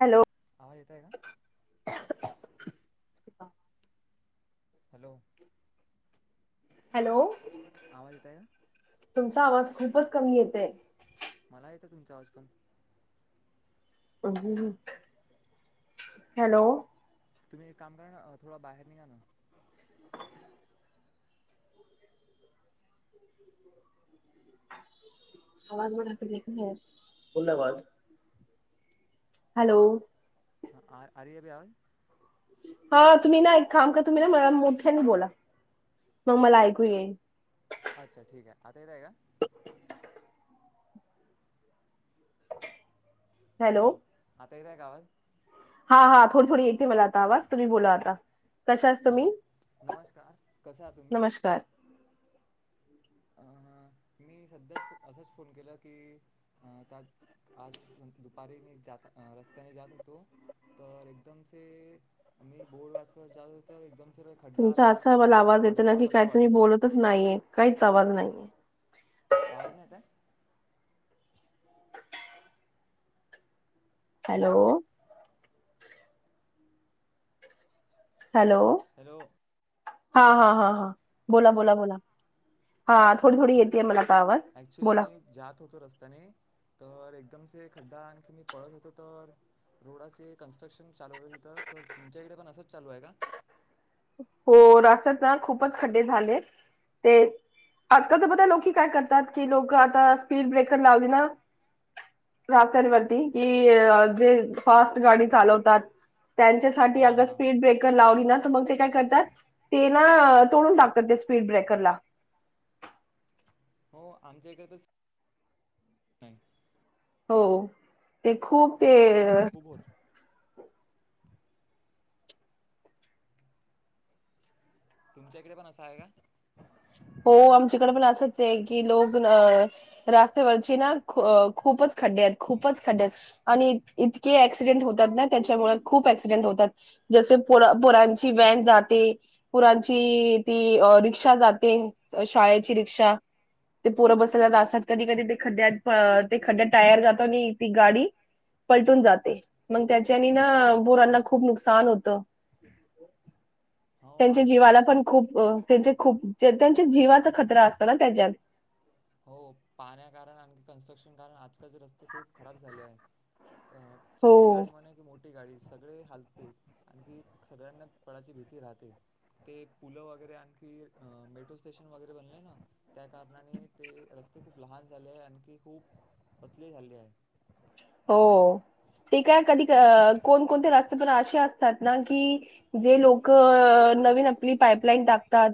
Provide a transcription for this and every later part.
Hello आवाज येतोय ना. [unintelligible] हॅलो हॅलो आवाज येत आहे का. तुझा आवाज खूपच कमी येतेय. मला येतो तुमचा आवाज पण. हॅलो तुम्ही एक काम करा ना थोडा बाहेर निघा ना. आवाज बढाकर देखणे यार. हॅलो आ आ रही अब आवाज. हा तुम्ही ना एक काम करा तुम्ही ना मला मोठ्याने बोला. मग मला ऐकू येईन. अच्छा ठीक आहे. आता येतय का. हॅलो येतोय का आवाज. हा हा थोडी थोडी येते मला आता आवाज. तुम्ही बोला आता. कशास हां तुम्ही नमस्कार कसं आहात तुम्ही नमस्कार अ मी सध्याच असाच फोन केला की त्या आज दुपारी मी जात रस्त्याने जात होतो, तर एकदमसे मी बोर्ड वाचत जात होतो तर एकदम तुमचा असा मला आवाज येत ना की काय पडता तुम्ही वाचलो बोलतच नाहीये काहीच आवाज नाही. [inaudible] आवाज नाही येत आहे. हॅलो हॅलो हॅलो हा हा हा हा बोला बोला बोला. हा थोडी थोडी येतीय मला आता आवाज ॲक्च्युली बोला. मी जात होतो रस्त्याने तर एकदमसे खड्डा आणखी मी पळत होतो तर रोडाचे कन्स्ट्रक्शन चालू होत तिथं. तर तुमच्याकडे पण असंच चालू आहे का? हो रस्त्यात ना खूपच खड्डे झाले ते आजकाल तर बघ लोक काय करतात कि लोक आता स्पीड ब्रेकर लावली ना रस्त्यांवरती कि जे फास्ट गाडी चालवतात. त्यांच्यासाठी हां अगर हां स्पीड ब्रेकर लावली ना तर मग ते काय कर ते ना तोडून टाकतात ते स्पीड ब्रेकरला. हो आमच्या इकडे तर नाही. हो ते खूप ते खबर तुमच्याकडे पण असा आहे का हो आमच्याकडे पण असंच आहे की लोक रस्त्यावरची ना खूपच खड्डे आहेत खूपच खड्डे आहेत आणि इतके ऍक्सिडेंट होतात ना त्याच्यामुळे खूप ऍक्सिडेंट होतात जसे पोरांची व्हॅन जाते पोरांची ती रिक्षा जाते. ते शाळेची रिक्षा ते पोरं बस जात असतात कधी कधी ते खड्ड्यात ते खड्ड्यात टायर जातो आणि ती गाडी पलटून जाते मग त्याच्यानी ना पोरांना खूप नुकसान होत. हो त्यांच्या आजकालचे जीवाला शा पण खूप त्यां खूप. त्यांच्या जीवाचा खतरा असत ना त्याच्यात.. [unintelligible] रस्ते खूप खराब झाले आहे अ छोटी हो गाडी म्ह की मोठी मोठी गाडी सगळे हालते आणखी सगळ्यांना पडची भीती राहते ते पुलं वगैरे आणखी मेट्रो स्टेशन वगैरे बनले ना त्या कारणाने ते रस्ते खूप लहान झाले आहे आणखी खूप पतले झाले आहे हो ते काय कधी कोणकोणते रस्ते पण असे असतात ना की जे लोक नवीन आपली पाईपलाईन टाकतात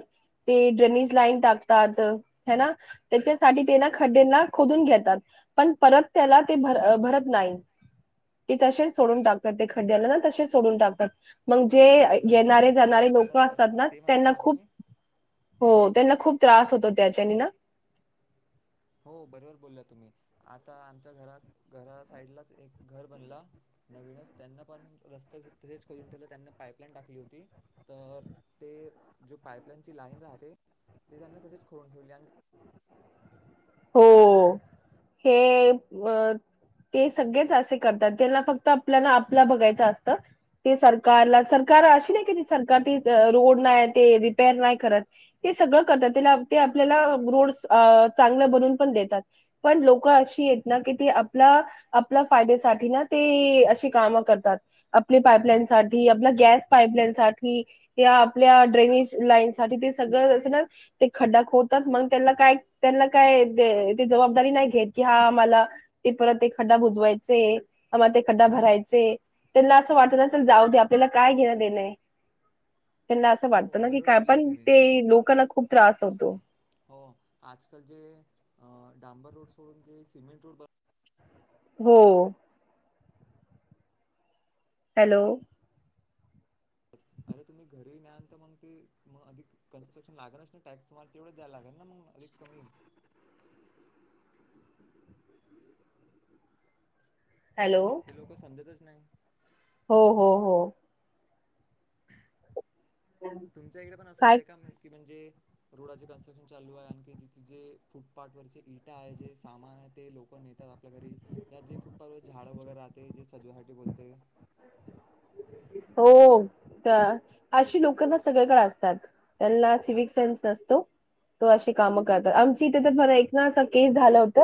ते ड्रेनेज लाईन टाकतात हे ना त्याच्यासाठी ते ना खड्ड्यांना खोदून घेतात पण परत त्याला ते भर भरत.. नाही ते तसेच सोडून टाकतात ते खड्ड्याला ना तसेच सोडून टाकतात मग हो जे घरचे येणारे कन्स्ट्रक्शन जाणारे करतात लोक त्या असतात ना ते म्हणता त्यांना का खूप तुम्ही हो. त्यांना खूप त्रास होतो त्याच्यानी ना हो बरोबर बोलला तुम्ही आता आमच्या घरा घरा साईडलाच एक घर बनला नवीनच त्यांना पण रस्ता तसेच खोून ठेवला त्यांना पाईपलाईन टाकली होती तर ते जो पाईपलाईनची लाईन राहते ते त्यांना तसेच खोलून ठेवली आणि- हो हे ते सगळेच असे करतात त्यांना फक्त आपल्याला आपला बघायचं असतं ते सरकारला सरकार अशी नाही कि सरकार रोड नाही ते रिपेर नाही करत ते सगळं करतात ते आपल्याला रोड चांगलं- बनवून पण देतात पण लोक अशी येत ना की ते आपल्या आपल्या फायद्यासाठी ना ते अशी काम करतात आपली पापलाईन साठी आपल्या गॅस पाईपलाईन साठी या आपल्या ड्रेनेज लाईन साठी ते सगळं असं ना ते खड्डाक खोदतात मग त्यांना काय त्यांना काय जबाबदारी नाही घेत कि हा आम्हाला ते परत ते खड्डा बुजवायचे आम्हाला ते खड्डा भरायचे त्यांना असं वाटत चल जाऊ दे आपल्याला काय घेण देणं आहे. त्यांना असं हो वाटतं ना की बरोबर काय बोलले पण तुम्ही ते लोकांना खूप- त्रास होतो. हो आजकाल जे अ डांबर रोड सोडून जे सिमेंट रोड ब हो. हॅलो अरे तुम्ही घरीही नाहीनंतर मग ते मग अधिक कन्स्ट्रक्शन लागेलच ना टॅक्स तमारला तेवढ द्यायला लागेल ना मग अधिक कमी हॅलो हे लोक समजतच नाही. हो हो हो तुमच्या इकडे पण असं काय राय का म्ह कि म्हणजे रोडाचे कन्स्ट्रक्शन चालू आहे आणखी जिथ जे फुटपाथ वरचे इटा आहे जे सामान आहे ते लोक नेतात आपल्या घरी या जे फुटपाथ व झाड वगैरे राहते जे सजवासाठी बोलते हो तर अशी लोक ना सगळ्याकडे असतात त्यांना सिविक सेन्स नसतो तो अशी कामं करतात आमची इथे तर एक ना अस केस झाला होत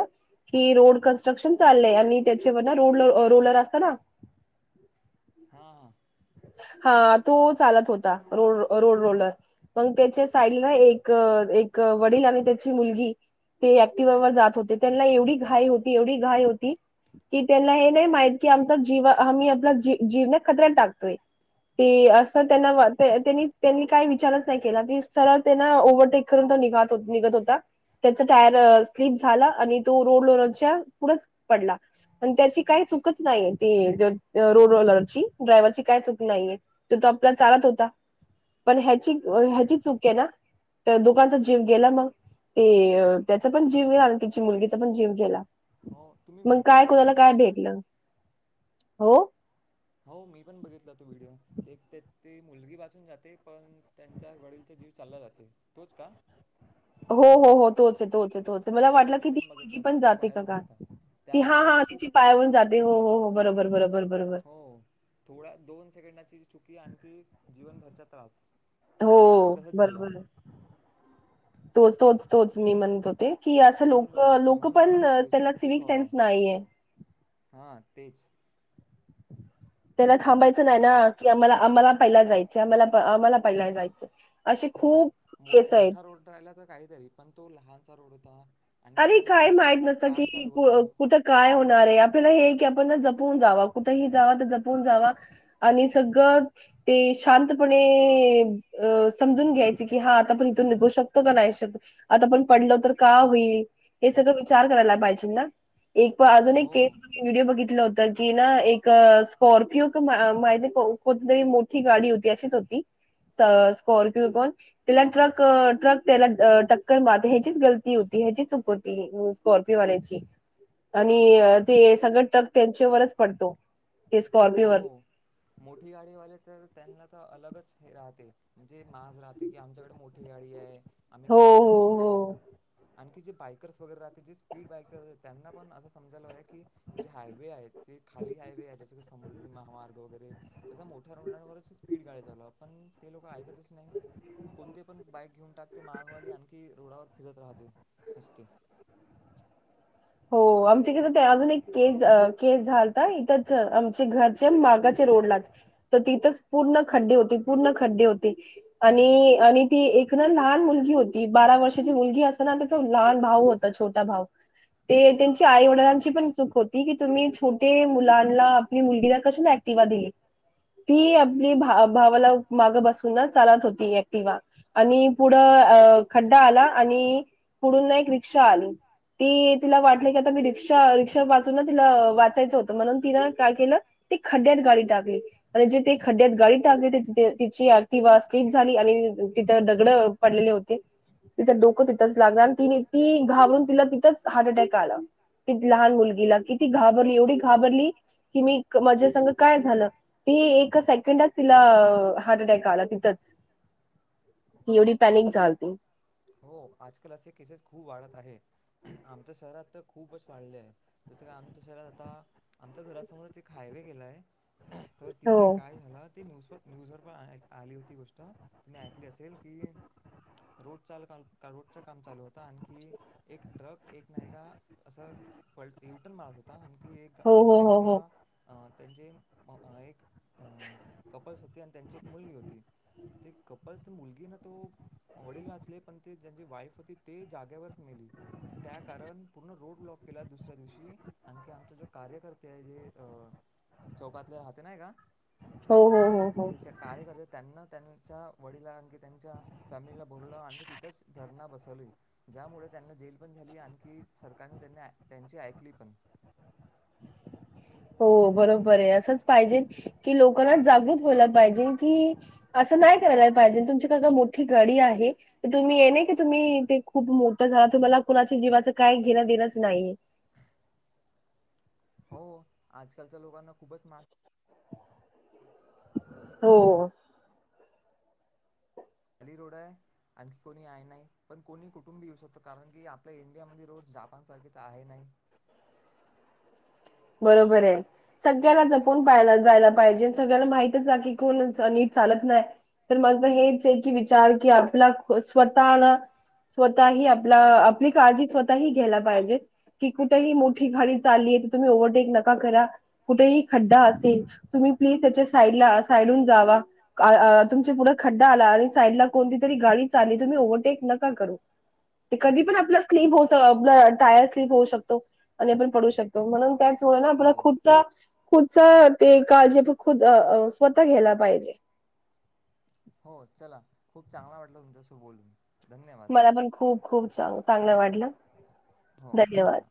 की रोड कनस्ट्रक्शन चाललंय आणि त्याच्यावर रड रोलर असत ना? हा हा. हा तो चालत होता रोड रोड रोलर मग त्याच्या साईडला एक एक वडील आणि त्याची मुलगी ते ऍक्टिववर जात होते त्यांना एवढी घाई होती एवढी घाई होती की त्यांना हे नाही माहित की आमचा जीव आम्ही आपला जीवना खतऱ्यात टाकतोय. ते अस त्यांनी त्यांनी काय विचारच नाही केला त सरळ त्यांना ओव्हटेक करून तो निघ निघत होता त्याचा टायर स्लीप झाला आणि तो रोड रलरच्या पुढच पडला आणि त्याची काही चुकच नाही ती रोड रलरची ड्रावरची काय चक? नाहीये तो तो आपला चालत होता पण ह्याची ह्याची चूक आहे ना तर दोगंचा जीव गेला मग ते त्याचा पण जीव गेला आणि त्यािची मुलगीचा पण जीव गेला. हो तुम्ही मग वि्हडओ काय बद्दल कोणाला काय बोलताय का भेटलं हो. हो मी पण बघितला त व्हिडिओ ते ते ते मुलगी पासून जाते पण त्यांच्या वडीलचा जीव चालला जाते तोच का हो हो हो तोच आहे तोच आहे तोच मला हो वाटलं मी की ती पण मुलगी बघितला तो पण खूप जाते का व्हायरल झाला का होता ती हा त्यामुळे हा लोक खूप तिची पायावरून जाते हो हो हो. बरोबर बरोबर बरोबर. हो थोडा दोन सेकंडाची चुकी आणखी जीवनभरच्या त्रास तेच हो. तसच झाला बरोबर तोच तोच तोच मी म्हणतोते कि असं म्हणून लोक लोक म्हणून पण लोकांना त्यांना पेशंट खूप सिविक हवा सेन्स आहे नाहीय हां तेच त्याना थांबायचं नाही ना की आम्हाला आम्हाला पहिला जायच आम्हाला आम्हाला पहिला जायचं असे हो खूप केस आहेत. मोठा रोड राहिला तर काहीतरी पण तो लहानसा रोड त अरे काय माहित नसत की होतं कुठं काय होणार आहे आपल्याला हे की आपण ज जपून जावा कुठेही जावा तर जपून जावा आणि सगळं ते शांतपणे समजून घ्यायचे कि हा आता पण इथून निघू शकतो का नाही शकतो आता पण पडलो तर का होईल हे सगळं विचार करायला पाहिजे ना एक पण अजून एक हो केस व्हिडिओ बघितला होता कि ना एक स्कॉर्पिओ क माहिती कोणतरी मोठी गाडी होती अशीच होती स्कॉर्पिओ कोण त्याला ट्रक ट्रक त्याला टक्कर मारते ह्याचीच गलती होती ह्याची च होती स्कॉर्पिओवाल्याची आणि ते सगळ ट्रक त्यांच्यावरच पडतो ते हो स्कॉर्पिओवर मोठी गाडीवाले तर त्यांना तर अलगच राहते म्हणजे माज राहते कि आमच्याकडे मोठी गाडी आहे. आम्ही हो काय पण हो करू शकतो आणखी जे बायकर्स वगैरे राहते जे स्पीड बायक्स त्यांना पण असं समजायला की जे हायवे आहे ते खाली हायवे आहे ज समृद्धी महामार्ग वगैरे तसा मोठ्या रुग्णांवरच स्पीड गाड्या चालवा पण ते लोक ऐकतच नाही कोणते पण बाईक घेऊन टाकते महागवाली आणखी रोडावर फिरत राहते नुसते हो आमचे क अजून एक केस केस झालता इथंच आमचे घरचे मागाचे रोडलाच तर तिथंच पूर्ण खड्डे होते पूर्ण खड्डे होते आणि आणि ती एक ना लहान मुलगी होती बारा वर्षाची मुलगी अस ना त्याचा लहान भाऊ होता छोटा भाऊ ते त्यांची आई वडिलांची पण चूक होती की तुम्ही छोटे मुलांना आपली मुलगीला कशाला ऍक्टिवा दिली ती आपली भा भावाला मागं बसून चालत होती ऍक्टिवा आणि पुढं खड्डा आला आणि पुढून एक रिक्षा आली ती तिला वाटलं की आता मी रिक्षा रिक्षा वाचून ना तिला वाचायचं होतं म्हणून तिनं काय केलं ती खड्ड्यात गाडी टाकली आणि जे ते खड्ड्यात गाडी टाकली तेिथे तिची एक्टिवा स्लीप झाली आणि तिथं दगड पडलेले होते तिचं डोकं तिथंच लागलं आणि तिने ती घाबरून तिला तिथंच हार्ट अटॅक लहान मुलगीला किती घाबरली एवढी घाबरली कि मी माझ्या संग काय झालं ती एक सेकंडात तिला हार्ट अटॅक आला तिथच ती एवढी पॅनिक झालती हो आजकाल असे केसेस खूप वाढत आहे आमच्या शहरात तर खूपच वाढले आहे जसं का आमच्या शहरात आता आमच्या घरासमोरच एक हायवे गेलाय तर तिथे हो. काय झालं ते न्यूजप न्यूज वर पण आली होती गोष्ट तुम्ही ऐ असेल की रोड चाल रोड काम चालू होता आणखी एक ट्रक एक नाईका असं पवटन मारत होता की एक हो हो हो हो ऍक्टिवा त्यांचे एक अं कपल्स होते आणि त्यांची एक मुलगी होती. ते कपल्स मुलगी ना तो वडील वाचले ते ज्याची वाईफ होती ते जागेवरच मेली त्या कारण पूर्ण रोड ब्लॉक केला दुस दिवशी आणखी आमचे कार्यकर्ते जे चौकातले राहते ना का हो हो हो हो त्या कार्यकर्ते त्यांना त्यांच्या वडिलांना आणखी त्यांच्या फॅमिलीला बोलवलं आणखी [inaudible] तिथंच धरणा बसवली ज्यामुळे त्यांना जेल पण झाली आणखी सरकारने त्यांनी त्यांची ऐकली पण हो बरोबर आहे असंच पाहिजे कि लोकांना जागृत व्हायला पाहिजे कि असं नाही करायला पाहिजे तुमच्या मोठी गाडी आहे तुम्ही ये नई की तुम्ही ते खूप मोठ झाला तुम्हाला कुणाच्या जीवाच काय घेणं देणच नाहीे. हो आजकालच्या लोकांना खूपच मान हो. खाली रोड आहे आणखी कोणी आहे नाही पण कोणी कुटुंबी येऊ शकतो कारण की आपल्या इंडियामध्ये रोड जपानसारखे तर आहे नाही. बरोबर हाय सगळ्याला जपून पळाला जायला पाहिजे, सगळ्यांला माहितच आहे की कोण नीट चालत नाही तर मझ हेच आहे की विचार आपला स्वतःला स्वतःही आपला आपली काळजी स्वतःही घ्यायला पाहिजे की कुठेही मोठी घाडी चालली तुमी ओव्हर टेक नका करा कुठेही खड्डा असेल तुमी प्लीज त्याचे साईडला साईडून जावा. तुमचे पुढे खड्डा आला आणि साईडला कोणती तरी गाडी चालली तुम्ही ओव्हरटेक नका करू. ते कधी पण आपला स्लीप होऊ आप टायर स्लीप होऊ शकतो आणि आपण पडू शक म्हणून त्याचं [unintelligible] आपला हो खूपचा पुढच ते काळजी खुद स्वतः घ्यायला पाहिजे. हो चला खूप चांगला वाटलं तुमच्याशी बोलून. धन्यवाद मला पण खूप खूप चांग चांगलं वाटल. धन्यवाद.